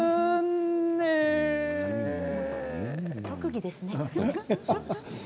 特技ですね。